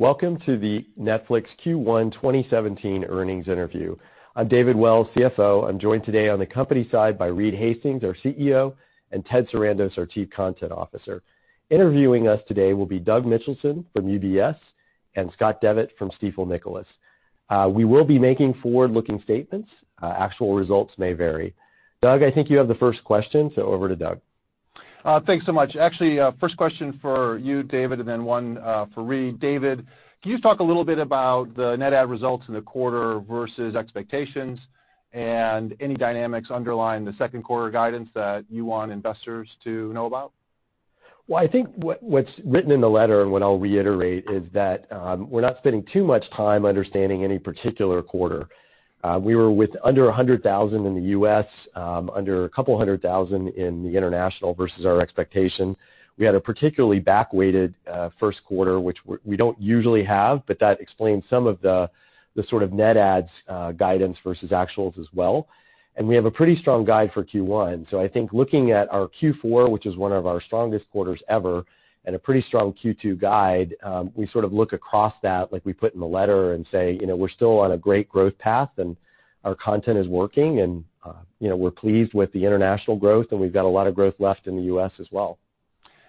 Welcome to the Netflix Q1 2017 earnings interview. I'm David Wells, CFO. I'm joined today on the company side by Reed Hastings, our CEO, and Ted Sarandos, our Chief Content Officer. Interviewing us today will be Doug Mitchelson from UBS and Scott Devitt from Stifel Nicolaus. We will be making forward-looking statements. Actual results may vary. Doug, I think you have the first question, over to Doug. Thanks so much. Actually, first question for you, David, and then one for Reed. David, can you just talk a little bit about the net add results in the quarter versus expectations and any dynamics underlying the second quarter guidance that you want investors to know about? Well, I think what's written in the letter and what I'll reiterate is that we're not spending too much time understanding any particular quarter. We were with under 100,000 in the U.S., under a couple hundred thousand in the international versus our expectation. We had a particularly back-weighted first quarter, which we don't usually have, that explains some of the sort of net adds guidance versus actuals as well. We have a pretty strong guide for Q1. I think looking at our Q4, which is one of our strongest quarters ever, and a pretty strong Q2 guide, we sort of look across that, like we put in the letter and say, "We're still on a great growth path, and our content is working, and we're pleased with the international growth, and we've got a lot of growth left in the U.S. as well.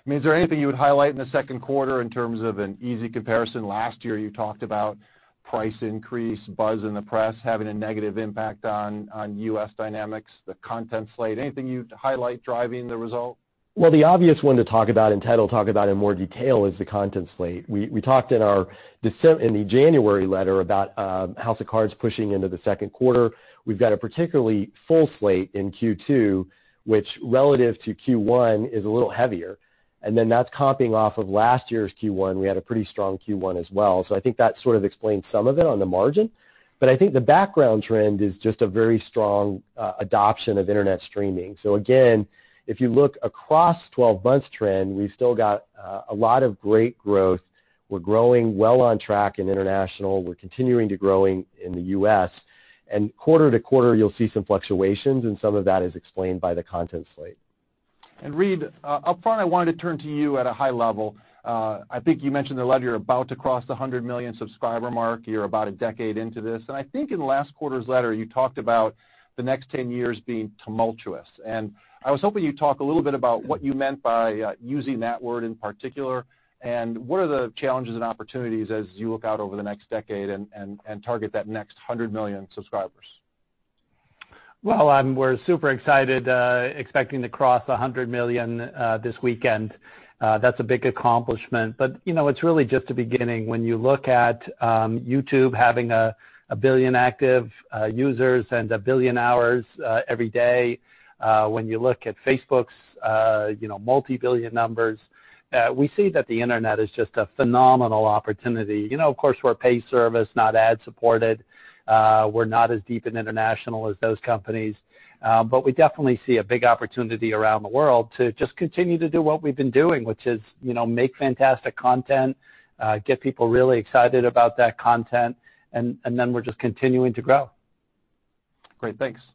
Is there anything you would highlight in the second quarter in terms of an easy comparison? Last year, you talked about price increase, buzz in the press having a negative impact on U.S. dynamics, the content slate. Anything you'd highlight driving the result? The obvious one to talk about, and Ted will talk about in more detail, is the content slate. We talked in the January letter about "House of Cards" pushing into the second quarter. We've got a particularly full slate in Q2, which relative to Q1 is a little heavier, and then that's comping off of last year's Q1. We had a pretty strong Q1 as well, I think that sort of explains some of it on the margin. I think the background trend is just a very strong adoption of internet streaming. Again, if you look across 12 months trend, we've still got a lot of great growth. We're growing well on track in international. We're continuing to growing in the U.S., and quarter to quarter, you'll see some fluctuations, and some of that is explained by the content slate. Reed, up front, I wanted to turn to you at a high level. I think you mentioned in the letter you're about to cross the 100 million subscriber mark. You're about a decade into this. I think in last quarter's letter, you talked about the next 10 years being tumultuous. I was hoping you'd talk a little bit about what you meant by using that word in particular, and what are the challenges and opportunities as you look out over the next decade and target that next 100 million subscribers? We're super excited, expecting to cross 100 million this weekend. That's a big accomplishment, but it's really just the beginning. When you look at YouTube having 1 billion active users and 1 billion hours every day, when you look at Facebook's multi-billion numbers, we see that the internet is just a phenomenal opportunity. Of course, we're a paid service, not ad-supported. We're not as deep in international as those companies, but we definitely see a big opportunity around the world to just continue to do what we've been doing, which is make fantastic content, get people really excited about that content, and then we're just continuing to grow. Great. Thanks.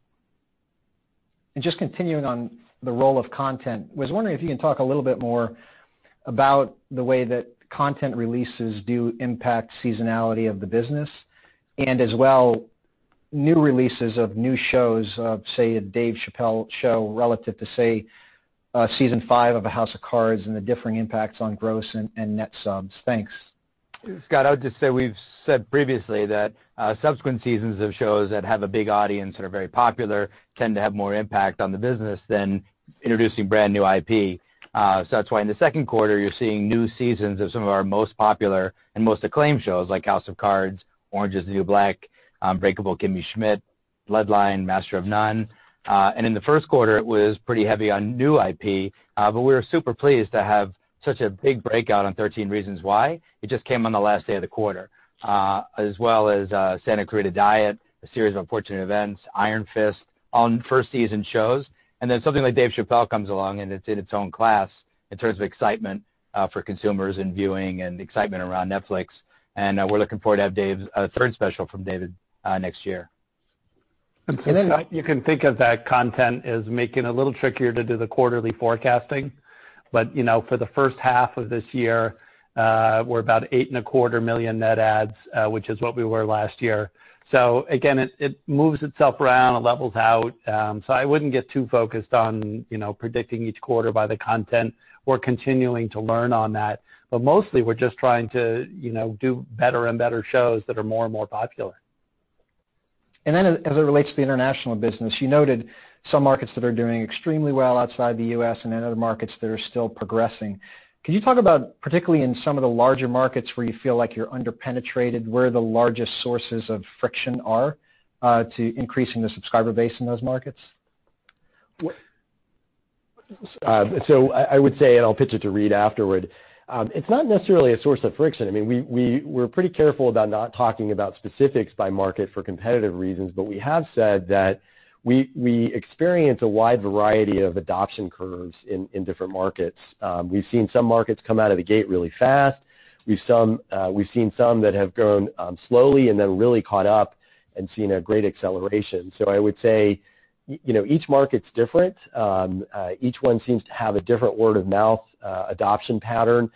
Just continuing on the role of content, was wondering if you can talk a little bit more about the way that content releases do impact seasonality of the business as well new releases of new shows, of say a Dave Chappelle show relative to, say, a Season 5 of a "House of Cards" and the differing impacts on gross and net subs. Thanks. Scott, I would just say we've said previously that subsequent seasons of shows that have a big audience that are very popular tend to have more impact on the business than introducing brand new IP. That's why in the second quarter, you're seeing new seasons of some of our most popular and most acclaimed shows like "House of Cards," "Orange Is the New Black," "Unbreakable Kimmy Schmidt," "Bloodline," "Master of None." In the first quarter, it was pretty heavy on new IP, but we were super pleased to have such a big breakout on "13 Reasons Why." It just came on the last day of the quarter. As well as "Santa Clarita Diet," "A Series of Unfortunate Events," "Iron Fist" on first-season shows. Something like Dave Chappelle comes along, and it's in its own class in terms of excitement for consumers and viewing and excitement around Netflix. We're looking forward to have a third special from David next year. Scott, you can think of that content as making a little trickier to do the quarterly forecasting. For the first half of this year, we're about eight and a quarter million net adds, which is what we were last year. Again, it moves itself around, it levels out. I wouldn't get too focused on predicting each quarter by the content. We're continuing to learn on that. Mostly, we're just trying to do better and better shows that are more and more popular. As it relates to the international business, you noted some markets that are doing extremely well outside the U.S. and then other markets that are still progressing. Can you talk about, particularly in some of the larger markets where you feel like you're under-penetrated, where the largest sources of friction are to increasing the subscriber base in those markets? I would say, and I'll pitch it to Reed afterward, it's not necessarily a source of friction. I mean, we're pretty careful about not talking about specifics by market for competitive reasons, we have said that we experience a wide variety of adoption curves in different markets. We've seen some markets come out of the gate really fast. We've seen some that have grown slowly and then really caught up and seen a great acceleration. I would say each market's different. Each one seems to have a different word-of-mouth adoption pattern.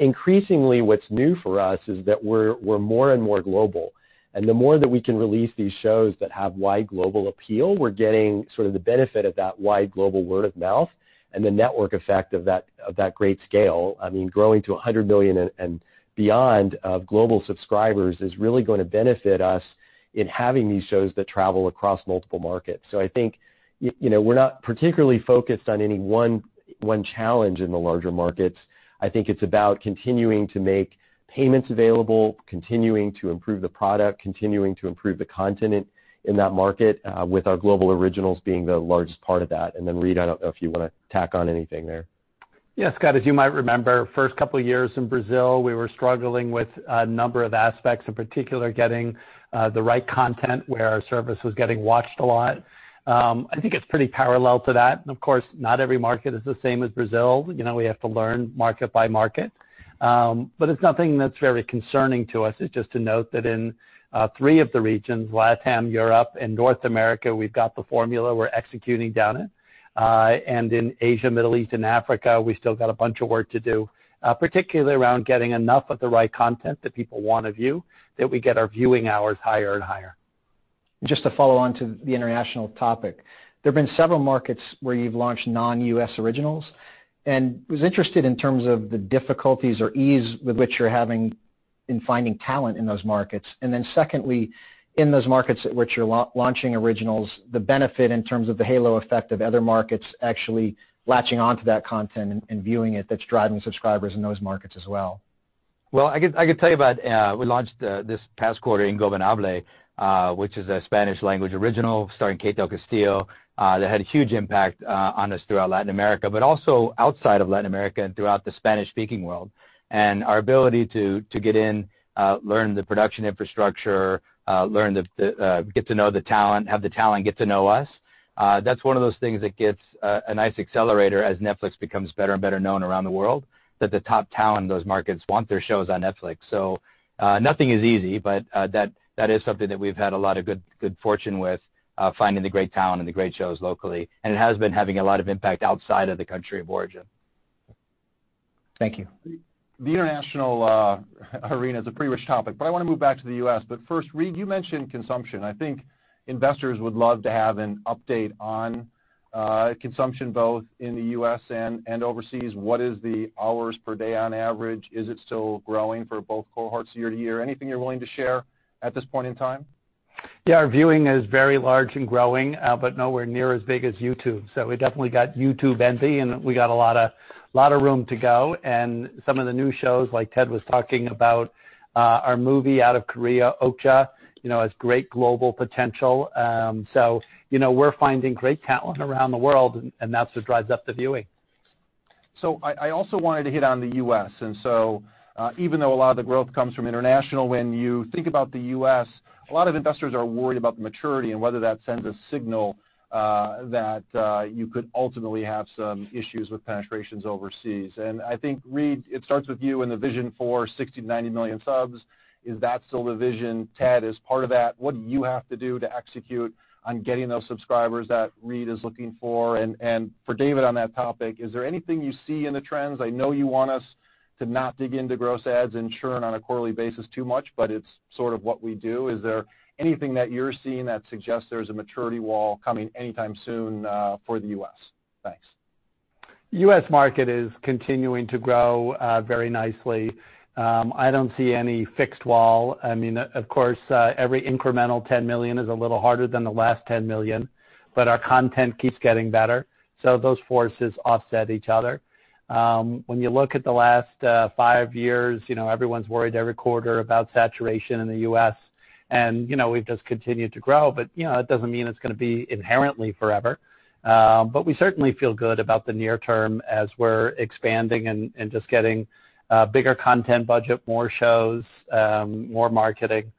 Increasingly, what's new for us is that we're more and more global, and the more that we can release these shows that have wide global appeal, we're getting the benefit of that wide global word of mouth and the network effect of that great scale. Growing to 100 million and beyond of global subscribers is really going to benefit us in having these shows that travel across multiple markets. I think we're not particularly focused on any one challenge in the larger markets. I think it's about continuing to make payments available, continuing to improve the product, continuing to improve the content in that market, with our global originals being the largest part of that. Reed, I don't know if you want to tack on anything there. Yes, Scott, as you might remember, first couple of years in Brazil, we were struggling with a number of aspects, in particular getting the right content where our service was getting watched a lot. I think it's pretty parallel to that. Of course, not every market is the same as Brazil. We have to learn market by market. It's nothing that's very concerning to us. It's just to note that in three of the regions, LatAm, Europe, and North America, we've got the formula. We're executing down it. In Asia, Middle East, and Africa, we've still got a bunch of work to do, particularly around getting enough of the right content that people want to view, that we get our viewing hours higher and higher. Just to follow on to the international topic. There have been several markets where you've launched non-U.S. originals, and was interested in terms of the difficulties or ease with which you're having in finding talent in those markets. Secondly, in those markets at which you're launching originals, the benefit in terms of the halo effect of other markets actually latching onto that content and viewing it that's driving subscribers in those markets as well. Well, I could tell you about we launched this past quarter "Ingobernable" which is a Spanish-language original starring Kate del Castillo, that had a huge impact on us throughout Latin America, but also outside of Latin America and throughout the Spanish-speaking world. Our ability to get in, learn the production infrastructure, get to know the talent, have the talent get to know us, that's one of those things that gets a nice accelerator as Netflix becomes better and better known around the world. That the top talent in those markets want their shows on Netflix. Nothing is easy, but that is something that we've had a lot of good fortune with, finding the great talent and the great shows locally. It has been having a lot of impact outside of the country of origin. Thank you. The international arena is a pretty rich topic, but I want to move back to the U.S. First, Reed, you mentioned consumption. I think investors would love to have an update on consumption, both in the U.S. and overseas. What is the hours per day on average? Is it still growing for both cohorts year-to-year? Anything you're willing to share at this point in time? Our viewing is very large and growing, but nowhere near as big as YouTube. We've definitely got YouTube envy, and we got a lot of room to go. Some of the new shows, like Ted was talking about, our movie out of Korea, "Okja" has great global potential. We're finding great talent around the world, and that's what drives up the viewing. I also wanted to hit on the U.S., even though a lot of the growth comes from international, when you think about the U.S., a lot of investors are worried about the maturity and whether that sends a signal that you could ultimately have some issues with penetrations overseas. I think, Reed, it starts with you and the vision for 60 to 90 million subs. Is that still the vision? Ted, as part of that, what do you have to do to execute on getting those subscribers that Reed is looking for? For David on that topic, is there anything you see in the trends? I know you want us to not dig into gross adds and churn on a quarterly basis too much, it's sort of what we do. Is there anything that you're seeing that suggests there's a maturity wall coming anytime soon for the U.S.? Thanks. U.S. market is continuing to grow very nicely. I don't see any fixed wall. Of course, every incremental 10 million is a little harder than the last 10 million, our content keeps getting better, those forces offset each other. When you look at the last five years, everyone's worried every quarter about saturation in the U.S., we've just continued to grow. That doesn't mean it's going to be inherently forever. We certainly feel good about the near term as we're expanding and just getting a bigger content budget, more shows, more marketing.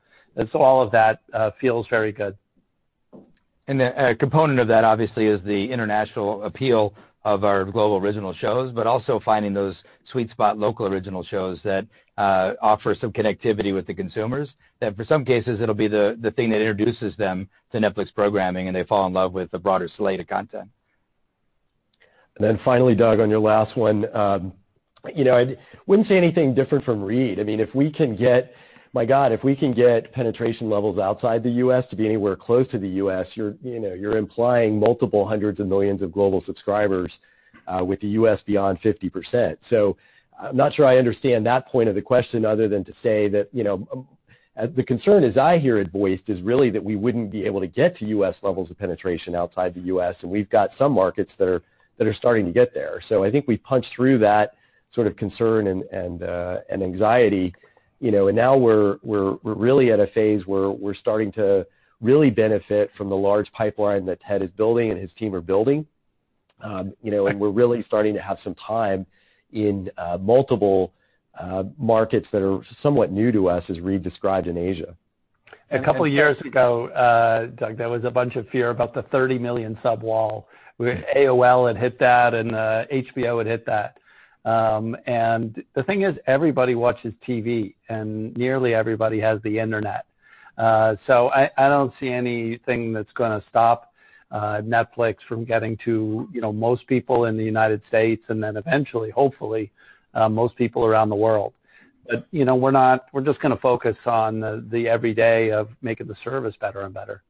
All of that feels very good. A component of that, obviously, is the international appeal of our global original shows, but also finding those sweet spot local original shows that offer some connectivity with the consumers, that for some cases, it'll be the thing that introduces them to Netflix programming, and they fall in love with the broader slate of content. Finally, Doug, on your last one. I wouldn't say anything different from Reed. My God, if we can get penetration levels outside the U.S. to be anywhere close to the U.S., you're implying multiple hundreds of millions of global subscribers with the U.S. beyond 50%. I'm not sure I understand that point of the question other than to say that the concern as I hear it voiced is really that we wouldn't be able to get to U.S. levels of penetration outside the U.S., and we've got some markets that are starting to get there. I think we punched through that sort of concern and anxiety, and now we're really at a phase where we're starting to really benefit from the large pipeline that Ted is building and his team are building. We're really starting to have some time in multiple markets that are somewhat new to us, as Reed described in Asia. A couple of years ago, Doug, there was a bunch of fear about the 30-million sub wall, where AOL had hit that and HBO had hit that. The thing is, everybody watches TV, and nearly everybody has the internet. I don't see anything that's going to stop Netflix from getting to most people in the United States, and then eventually, hopefully, most people around the world. We're just going to focus on the every day of making the service better and better.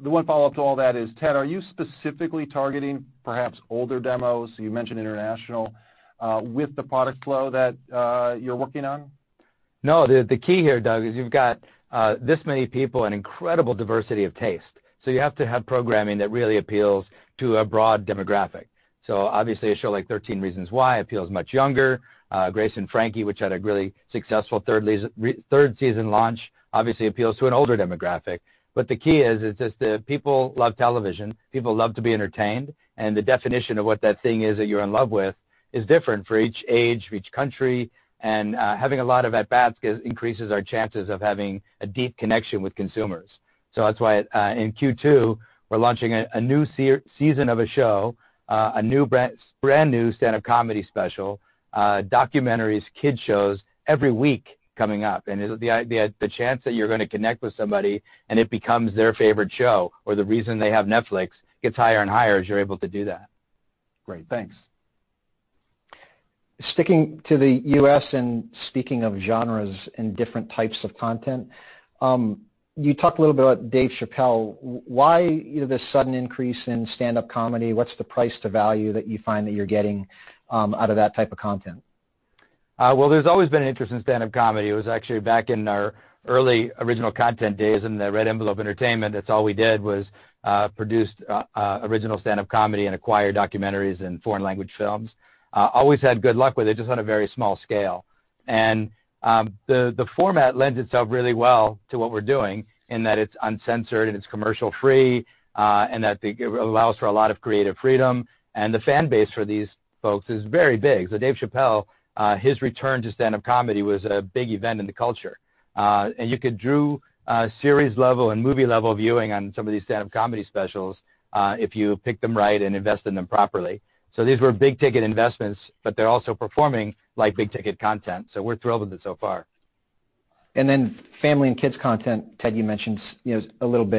The one follow-up to all that is, Ted, are you specifically targeting perhaps older demos? You mentioned international, with the product flow that you're working on? The key here, Doug, is you've got this many people, an incredible diversity of taste. You have to have programming that really appeals to a broad demographic. Obviously a show like "13 Reasons Why" appeals much younger. "Grace and Frankie," which had a really successful third-season launch, obviously appeals to an older demographic. The key is, people love television. People love to be entertained, and the definition of what that thing is that you're in love with is different for each age, for each country, and having a lot of at-bats increases our chances of having a deep connection with consumers. That's why, in Q2, we're launching a new season of a show, a brand-new stand-up comedy special, documentaries, kids shows every week coming up. The chance that you're going to connect with somebody and it becomes their favorite show or the reason they have Netflix gets higher and higher as you're able to do that. Great. Thanks. Sticking to the U.S. and speaking of genres and different types of content, you talked a little bit about Dave Chappelle. Why the sudden increase in stand-up comedy? What's the price to value that you find that you're getting out of that type of content? Well, there's always been an interest in stand-up comedy. It was actually back in our early original content days in the Red Envelope Entertainment, that's all we did was produce original stand-up comedy and acquire documentaries and foreign language films. Always had good luck with it, just on a very small scale. The format lends itself really well to what we're doing in that it's uncensored and it's commercial-free, that it allows for a lot of creative freedom. The fan base for these folks is very big. Dave Chappelle, his return to stand-up comedy was a big event in the culture. You could drew series-level and movie-level viewing on some of these stand-up comedy specials, if you pick them right and invest in them properly. These were big-ticket investments, but they're also performing like big-ticket content, so we're thrilled with it so far. Family and kids content, Ted, you mentioned a little.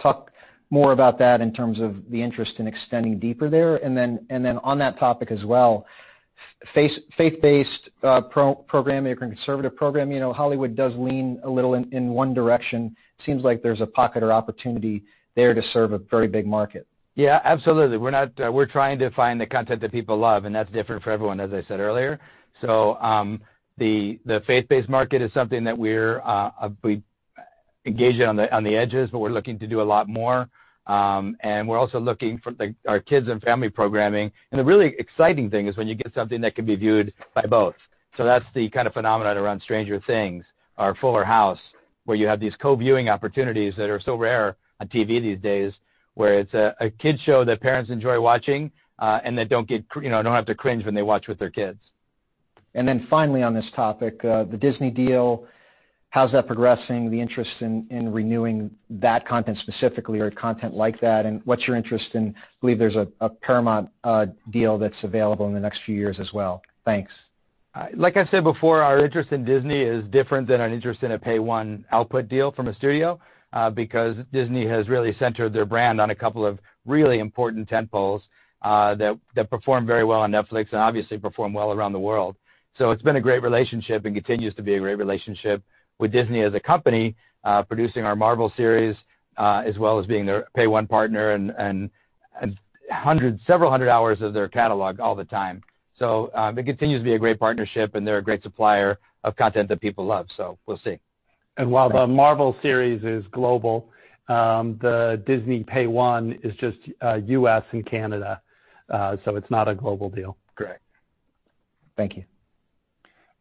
Talk more about that in terms of the interest in extending deeper there. On that topic as well, faith-based programming or conservative programming, Hollywood does lean a little in one direction. Seems like there's a pocket or opportunity there to serve a very big market. Yeah, absolutely. We're trying to find the content that people love, that's different for everyone, as I said earlier. The faith-based market is something that we're engaging on the edges, but we're looking to do a lot more. We're also looking for our kids and family programming. The really exciting thing is when you get something that can be viewed by both. That's the kind of phenomenon around "Stranger Things" or "Fuller House," where you have these co-viewing opportunities that are so rare on TV these days, where it's a kids show that parents enjoy watching, and they don't have to cringe when they watch with their kids. Finally on this topic, the Disney deal, how's that progressing, the interest in renewing that content specifically or content like that? What's your interest in, I believe there's a Paramount deal that's available in the next few years as well. Thanks. Like I've said before, our interest in Disney is different than an interest in a pay-one output deal from a studio, because Disney has really centered their brand on a couple of really important tentpoles that perform very well on Netflix and obviously perform well around the world. It's been a great relationship and continues to be a great relationship with Disney as a company, producing our Marvel series, as well as being their pay-one partner and several hundred hours of their catalog all the time. It continues to be a great partnership, and they're a great supplier of content that people love. We'll see. While the Marvel series is global, the Disney pay-one is just U.S. and Canada. It's not a global deal. Correct. Thank you.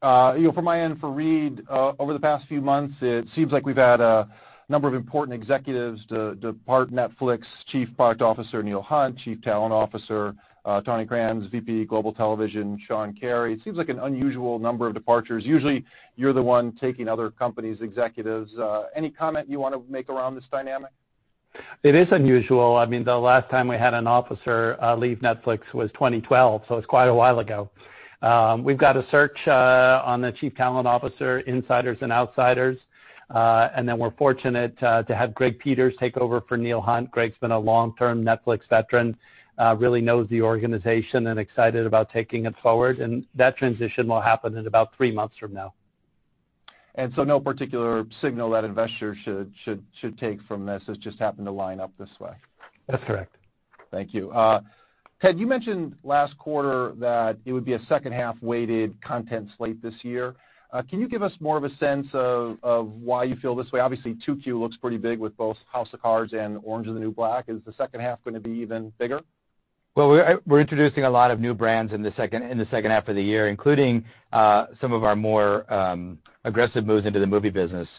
From my end for Reed, over the past few months, it seems like we've had a number of important executives depart Netflix, Chief Product Officer Neil Hunt, Chief Talent Officer Tawni Cranz, VP Global Television, Cindy Holland. It seems like an unusual number of departures. Usually, you're the one taking other companies' executives. Any comment you want to make around this dynamic? It is unusual. The last time we had an officer leave Netflix was 2012, so it's quite a while ago. We've got a search on the chief talent officer, insiders and outsiders, then we're fortunate to have Greg Peters take over for Neil Hunt. Greg's been a long-term Netflix veteran, really knows the organization and excited about taking it forward, and that transition will happen in about three months from now. No particular signal that investors should take from this. This just happened to line up this way. That's correct. Thank you. Ted, you mentioned last quarter that it would be a second-half weighted content slate this year. Can you give us more of a sense of why you feel this way? Obviously, 2Q looks pretty big with both House of Cards and Orange Is the New Black. Is the second half going to be even bigger? Well, we're introducing a lot of new brands in the second half of the year, including some of our more aggressive moves into the movie business.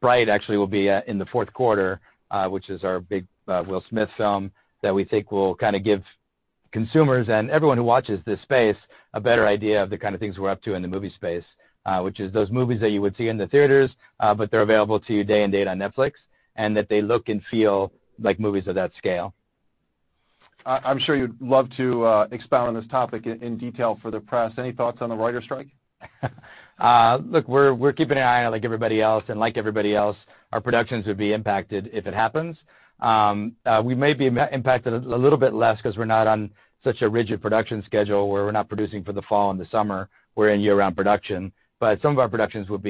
Bright actually will be in the fourth quarter, which is our big Will Smith film that we think will give consumers and everyone who watches this space a better idea of the kind of things we're up to in the movie space, which is those movies that you would see in the theaters, but they're available to you day and date on Netflix, and that they look and feel like movies of that scale. I'm sure you'd love to expound on this topic in detail for the press. Any thoughts on the writers' strike? Look, we're keeping an eye on it like everybody else, and like everybody else, our productions would be impacted if it happens. We may be impacted a little bit less because we're not on such a rigid production schedule where we're not producing for the fall and the summer. We're in year-round production. Some of our productions would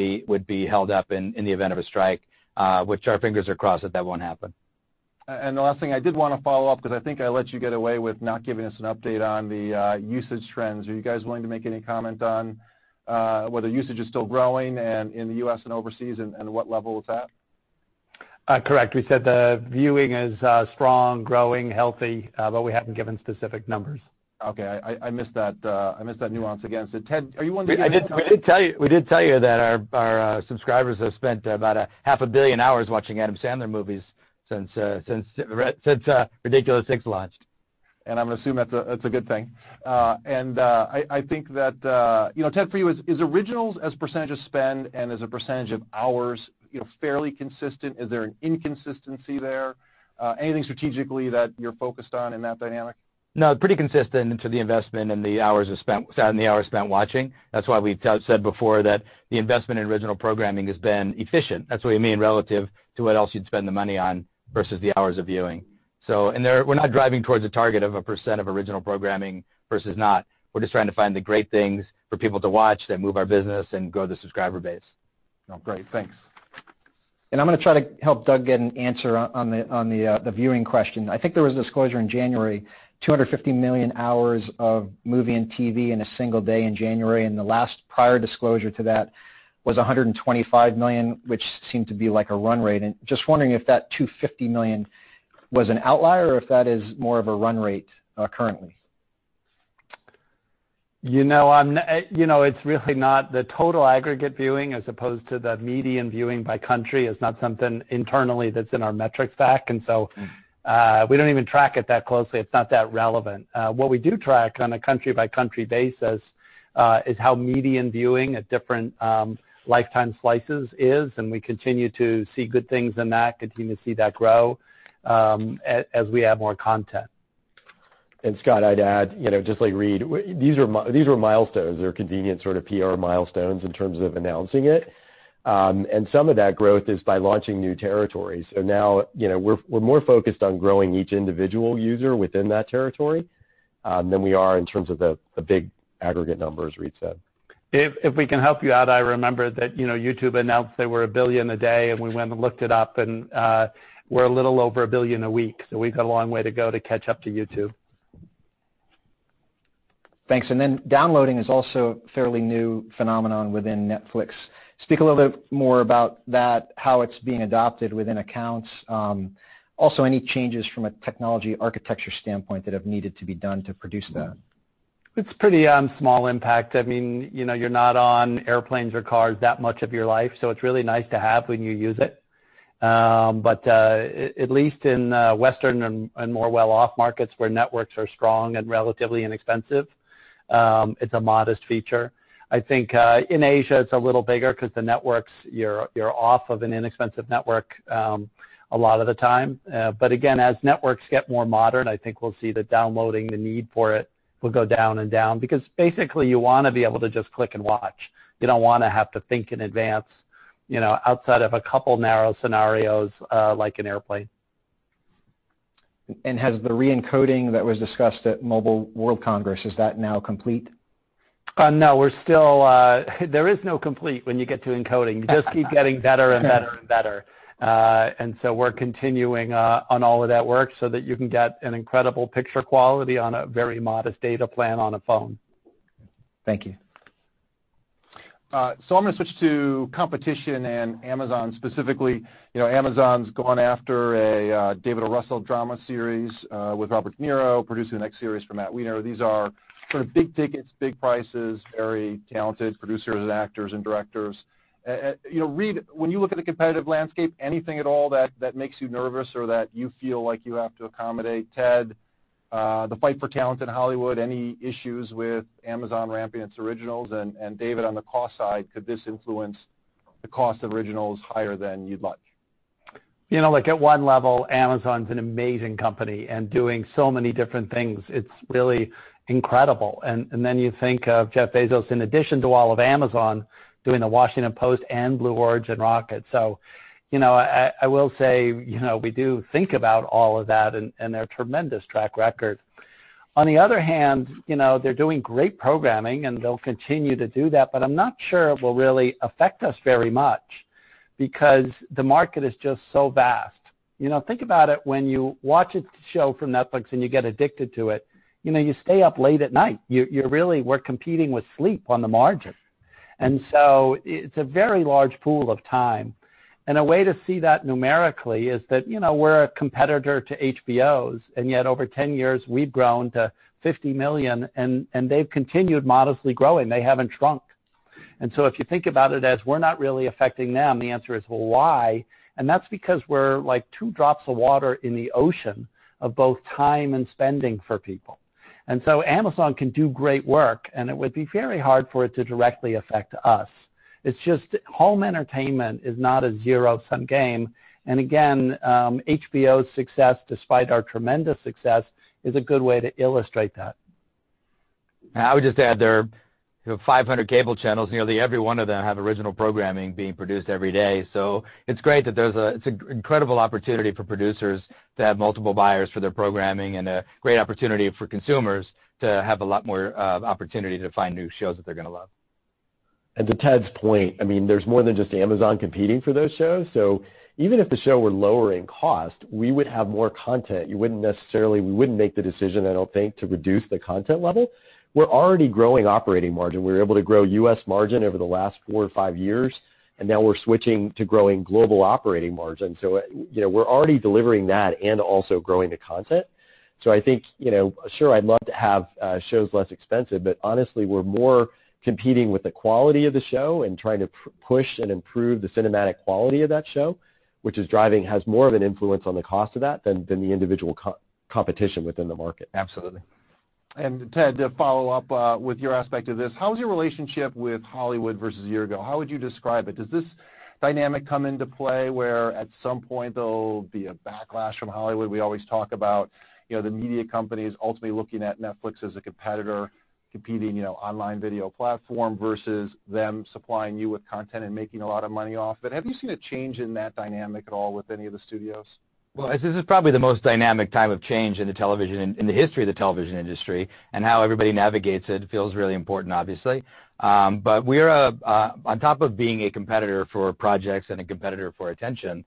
be held up in the event of a strike, which our fingers are crossed that that won't happen. The last thing I did want to follow up because I think I let you get away with not giving us an update on the usage trends. Are you guys willing to make any comment on whether usage is still growing and in the U.S. and overseas, and what level it's at? Correct. We said the viewing is strong, growing, healthy, we haven't given specific numbers. Okay. I missed that nuance again. Ted, are you willing to give- We did tell you that our subscribers have spent about a half a billion hours watching Adam Sandler movies since Ridiculous 6 launched. I'm going to assume that's a good thing. I think that, Ted, for you, is originals as a % of spend and as a % of hours fairly consistent? Is there an inconsistency there? Anything strategically that you're focused on in that dynamic? No, pretty consistent to the investment and the hours spent watching. That's why we've said before that the investment in original programming has been efficient. That's what we mean relative to what else you'd spend the money on versus the hours of viewing. We're not driving towards a target of a % of original programming versus not. We're just trying to find the great things for people to watch that move our business and grow the subscriber base. Oh, great. Thanks. I'm going to try to help Doug get an answer on the viewing question. I think there was a disclosure in January, 250 million hours of movie and TV in a single day in January, and the last prior disclosure to that was 125 million, which seemed to be like a run rate. Just wondering if that 250 million was an outlier or if that is more of a run rate currently. It's really not the total aggregate viewing as opposed to the median viewing by country is not something internally that's in our metrics stack. We don't even track it that closely. It's not that relevant. What we do track on a country-by-country basis is how median viewing at different lifetime slices is, and we continue to see good things in that, continue to see that grow as we add more content. Scott, I'd add, just like Reed, these were milestones. They were convenient sort of PR milestones in terms of announcing it. Some of that growth is by launching new territories. Now, we're more focused on growing each individual user within that territory than we are in terms of the big aggregate numbers Reed said. If we can help you out, I remember that YouTube announced they were 1 billion a day and we went and looked it up and we're a little over 1 billion a week, we've got a long way to go to catch up to YouTube. Thanks. Downloading is also a fairly new phenomenon within Netflix. Speak a little bit more about that, how it's being adopted within accounts. Also any changes from a technology architecture standpoint that have needed to be done to produce that? It's pretty small impact. You're not on airplanes or cars that much of your life, it's really nice to have when you use it. At least in Western and more well-off markets where networks are strong and relatively inexpensive, it's a modest feature. I think in Asia it's a little bigger because the networks, you're off of an inexpensive network a lot of the time. Again, as networks get more modern, I think we'll see that downloading, the need for it, will go down and down because basically you want to be able to just click and watch. You don't want to have to think in advance, outside of a couple of narrow scenarios like an airplane. Has the re-encoding that was discussed at Mobile World Congress, is that now complete? No. There is no complete when you get to encoding. You just keep getting better and better and better. We're continuing on all of that work so that you can get an incredible picture quality on a very modest data plan on a phone. Thank you. I'm going to switch to competition and Amazon specifically. Amazon's gone after a David O. Russell drama series with Robert De Niro producing the next series from Matthew Weiner. These are sort of big tickets, big prices, very talented producers and actors and directors. Reed, when you look at the competitive landscape, anything at all that makes you nervous or that you feel like you have to accommodate? Ted, the fight for talent in Hollywood, any issues with Amazon ramping its originals? David, on the cost side, could this influence the cost of originals higher than you'd like? At one level, Amazon's an amazing company and doing so many different things. It's really incredible. You think of Jeff Bezos, in addition to all of Amazon, doing The Washington Post and Blue Origin rockets. I will say we do think about all of that and their tremendous track record. On the other hand, they're doing great programming, and they'll continue to do that, but I'm not sure it will really affect us very much because the market is just so vast. Think about it when you watch a show from Netflix and you get addicted to it. You stay up late at night. You really were competing with sleep on the margin. It's a very large pool of time. A way to see that numerically is that we're a competitor to HBO's, and yet over 10 years, we've grown to $50 million, and they've continued modestly growing. They haven't shrunk. If you think about it as we're not really affecting them, the answer is, well, why? That's because we're like two drops of water in the ocean of both time and spending for people. Amazon can do great work, and it would be very hard for it to directly affect us. It's just home entertainment is not a zero-sum game. Again, HBO's success, despite our tremendous success, is a good way to illustrate that. I would just add there, 500 cable channels, nearly every one of them have original programming being produced every day. It's great that it's an incredible opportunity for producers to have multiple buyers for their programming and a great opportunity for consumers to have a lot more opportunity to find new shows that they're going to love. To Ted's point, there's more than just Amazon competing for those shows. Even if the show were lower in cost, we would have more content. We wouldn't make the decision, I don't think, to reduce the content level. We're already growing operating margin. We were able to grow U.S. margin over the last four or five years, and now we're switching to growing global operating margin. We're already delivering that and also growing the content. I think, sure, I'd love to have shows less expensive, honestly, we're more competing with the quality of the show and trying to push and improve the cinematic quality of that show, which has more of an influence on the cost of that than the individual competition within the market. Absolutely. Ted, to follow up with your aspect of this, how is your relationship with Hollywood versus a year ago? How would you describe it? Does this dynamic come into play where at some point there'll be a backlash from Hollywood? We always talk about the media companies ultimately looking at Netflix as a competitor, competing online video platform versus them supplying you with content and making a lot of money off of it. Have you seen a change in that dynamic at all with any of the studios? This is probably the most dynamic time of change in the history of the television industry, and how everybody navigates it feels really important, obviously. On top of being a competitor for projects and a competitor for attention,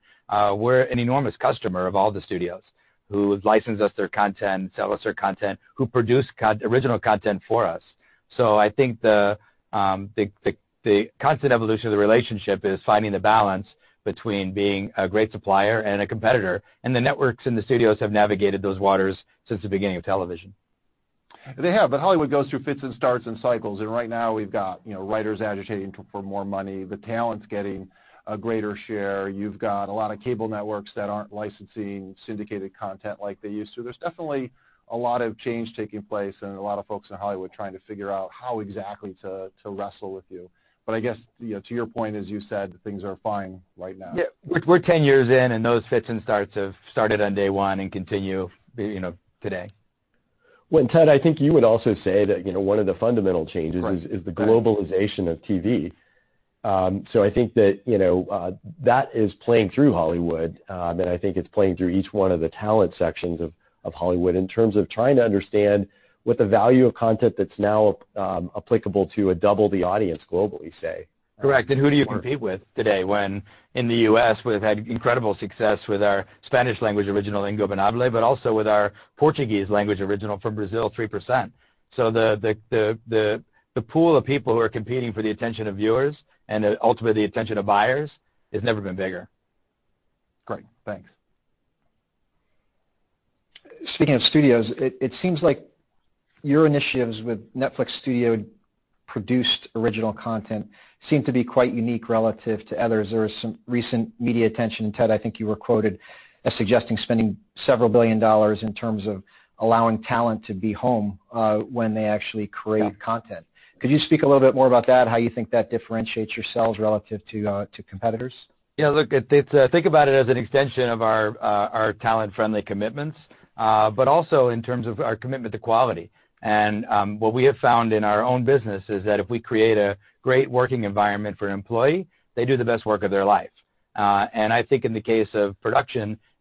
we're an enormous customer of all the studios who license us their content, sell us their content, who produce original content for us. I think the constant evolution of the relationship is finding the balance between being a great supplier and a competitor. The networks and the studios have navigated those waters since the beginning of television. They have. Hollywood goes through fits and starts and cycles, and right now we've got writers agitating for more money. The talent's getting a greater share. You've got a lot of cable networks that aren't licensing syndicated content like they used to. There's definitely a lot of change taking place and a lot of folks in Hollywood trying to figure out how exactly to wrestle with you. I guess, to your point, as you said, things are fine right now. Yeah. We're 10 years in. Those fits and starts have started on day one and continue today. Well, Ted, I think you would also say that one of the fundamental changes Right is the globalization of TV. I think that is playing through Hollywood. I think it's playing through each one of the talent sections of Hollywood in terms of trying to understand what the value of content that's now applicable to double the audience globally, say. Correct. Who do you compete with today when in the U.S. we've had incredible success with our Spanish language original, "Ingobernable," but also with our Portuguese language original from Brazil, "3%". The pool of people who are competing for the attention of viewers, and ultimately the attention of buyers, has never been bigger. Great. Thanks. Speaking of studios, it seems like your initiatives with Netflix Studios-produced original content seem to be quite unique relative to others. There was some recent media attention, and Ted, I think you were quoted as suggesting spending several billion dollars in terms of allowing talent to be home when they actually create content. Could you speak a little bit more about that, how you think that differentiates yourselves relative to competitors? Yeah, look, think about it as an extension of our talent-friendly commitments, but also in terms of our commitment to quality. What we have found in our own business is that if we create a great working environment for an employee, they do the best work of their life. I think in the case of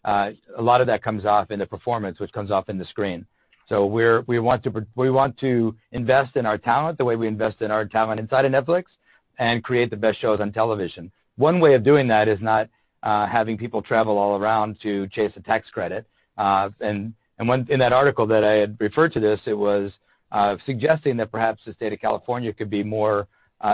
production, a lot of that comes off in the performance, which comes off in the screen. So we want to invest in our talent the way we invest in our talent inside of Netflix and create the best shows on television. One way of doing that is not having people travel all around to chase a tax credit. In that article that I had referred to this, it was suggesting that perhaps the state of California could be more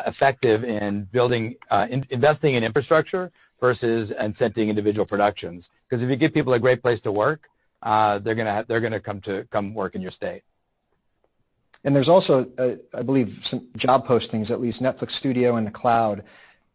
effective in investing in infrastructure versus incenting individual productions. If you give people a great place to work, they're going to come work in your state. There's also, I believe, some job postings, at least Netflix Studios and the cloud,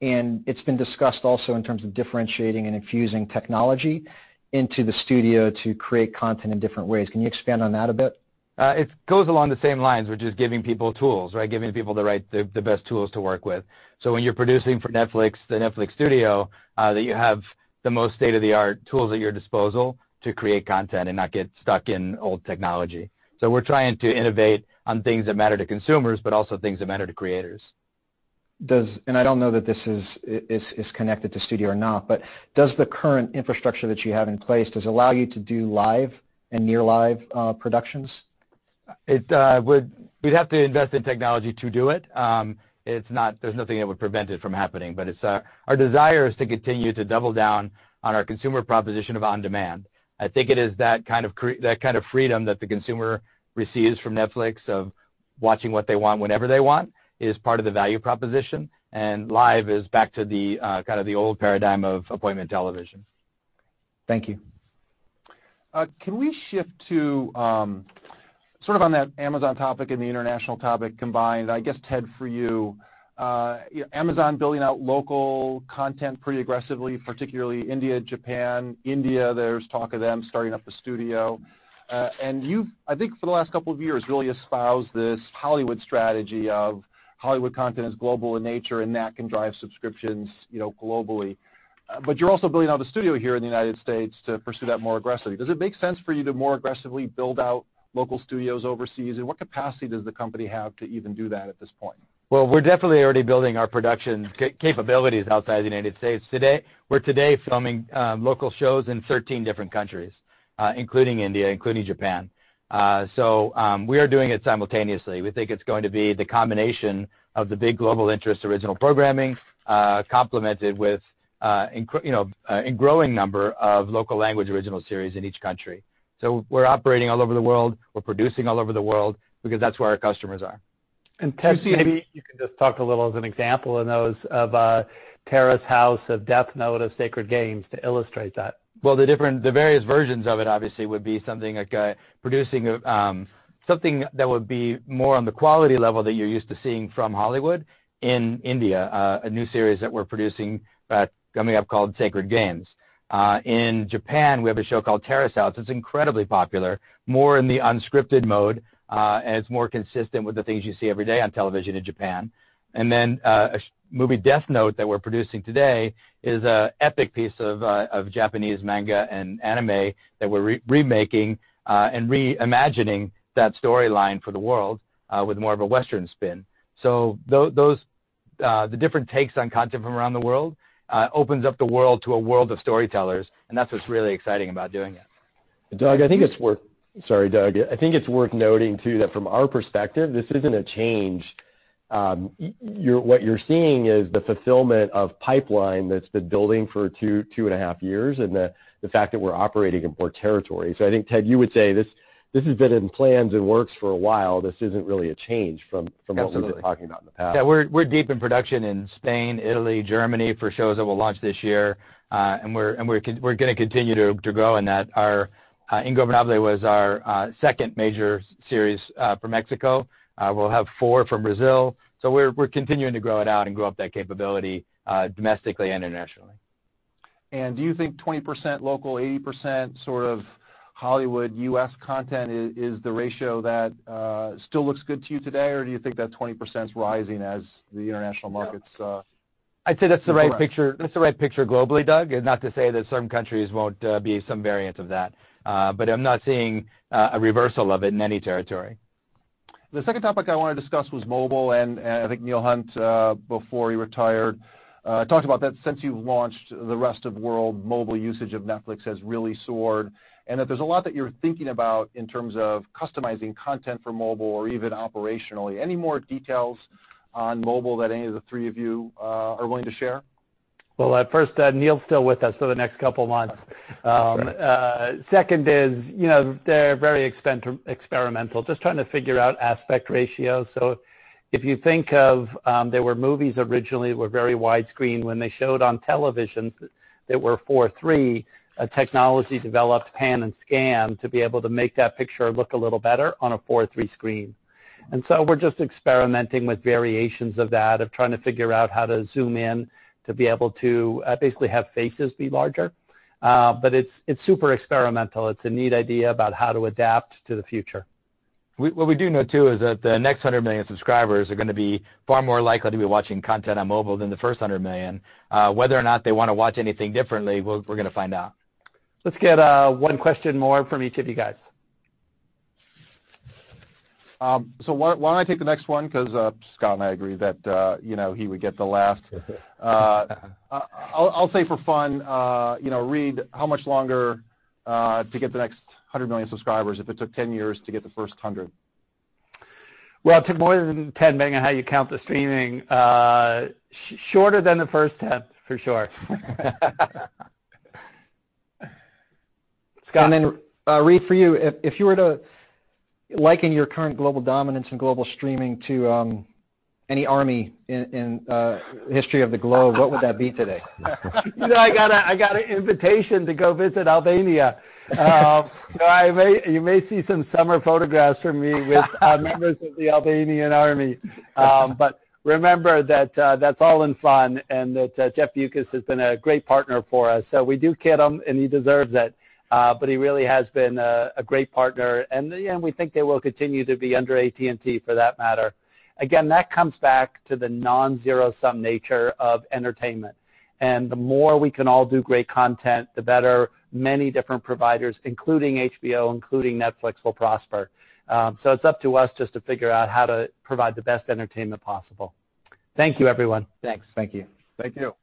and it's been discussed also in terms of differentiating and infusing technology into the studio to create content in different ways. Can you expand on that a bit? It goes along the same lines, which is giving people tools, right? Giving people the best tools to work with. When you're producing for Netflix, the Netflix Studio, you have the most state-of-the-art tools at your disposal to create content and not get stuck in old technology. We're trying to innovate on things that matter to consumers, but also things that matter to creators. I don't know that this is connected to Studio or not, but does the current infrastructure that you have in place, does it allow you to do live and near live productions? We'd have to invest in technology to do it. There's nothing that would prevent it from happening. Our desire is to continue to double down on our consumer proposition of on-demand. I think it is that kind of freedom that the consumer receives from Netflix of watching what they want whenever they want. It is part of the value proposition, and live is back to the old paradigm of appointment television. Thank you. Can we shift to sort of on that Amazon topic and the international topic combined? I guess, Ted, for you, Amazon building out local content pretty aggressively, particularly India, Japan. India, there's talk of them starting up a studio. You've, I think for the last couple of years, really espoused this Hollywood strategy of Hollywood content is global in nature, and that can drive subscriptions globally. You're also building out a studio here in the United States to pursue that more aggressively. Does it make sense for you to more aggressively build out local studios overseas, and what capacity does the company have to even do that at this point? Well, we're definitely already building our production capabilities outside of the United States today. We're today filming local shows in 13 different countries, including India, including Japan. We are doing it simultaneously. We think it's going to be the combination of the big global interest original programming complemented with a growing number of local language original series in each country. We're operating all over the world, we're producing all over the world, because that's where our customers are. Ted, maybe you can just talk a little as an example in those of "Terrace House," of "Death Note," of "Sacred Games" to illustrate that. Well, the various versions of it obviously would be something like producing something that would be more on the quality level that you're used to seeing from Hollywood in India, a new series that we're producing coming up called "Sacred Games." In Japan, we have a show called "Terrace House." It's incredibly popular, more in the unscripted mode, and it's more consistent with the things you see every day on television in Japan. A movie, "Death Note" that we're producing today, is an epic piece of Japanese manga and anime that we're remaking and reimagining that storyline for the world with more of a Western spin. The different takes on content from around the world opens up the world to a world of storytellers, and that's what's really exciting about doing it. Doug, I think it's worth noting too that from our perspective, this isn't a change. What you're seeing is the fulfillment of pipeline that's been building for two and a half years, and the fact that we're operating in more territories. I think, Ted, you would say this has been in plans and works for a while. This isn't really a change from- Absolutely. what we've been talking about in the past. Yeah, we're deep in production in Spain, Italy, Germany for shows that will launch this year. We're going to continue to grow in that. Ingobernable was our second major series from Mexico. We'll have four from Brazil. We're continuing to grow it out and grow up that capability domestically, internationally. Do you think 20% local, 80% sort of Hollywood U.S. content is the ratio that still looks good to you today, or do you think that 20%'s rising as the international markets- I'd say that's the right picture globally, Doug. Not to say that certain countries won't be some variant of that, but I'm not seeing a reversal of it in any territory. The second topic I want to discuss was mobile, and I think Neil Hunt, before he retired, talked about that since you've launched the rest of world mobile usage of Netflix has really soared, and that there's a lot that you're thinking about in terms of customizing content for mobile or even operationally. Any more details on mobile that any of the three of you are willing to share? Well, first, Neil's still with us for the next couple of months. That's right. Second is, they're very experimental, just trying to figure out aspect ratios. If you think of, there were movies originally that were very widescreen when they showed on televisions that were 4:3, a technology developed pan and scan to be able to make that picture look a little better on a 4:3 screen. We're just experimenting with variations of that, of trying to figure out how to zoom in to be able to basically have faces be larger. It's super experimental. It's a neat idea about how to adapt to the future. What we do know too is that the next 100 million subscribers are going to be far more likely to be watching content on mobile than the first 100 million. Whether or not they want to watch anything differently, we're going to find out. Let's get one question more from each of you guys. Why don't I take the next one? Because Scott and I agree that he would get the last. I'll say for fun, Reed, how much longer to get the next 100 million subscribers if it took 10 years to get the first 100? Well, it took more than 10, depending on how you count the streaming. Shorter than the first 10, for sure. Scott? Reed, for you, if you were to liken your current global dominance in global streaming to any army in the history of the globe, what would that be today? You know, I got an invitation to go visit Albania. You may see some summer photographs from me with members of the Albanian army. Remember that's all in fun and that Jeff Bewkes has been a great partner for us. We do kid him, and he deserves it. He really has been a great partner, and we think they will continue to be under AT&T for that matter. Again, that comes back to the non-zero sum nature of entertainment. The more we can all do great content, the better many different providers, including HBO, including Netflix, will prosper. It's up to us just to figure out how to provide the best entertainment possible. Thank you, everyone. Thanks. Thank you. Thank you.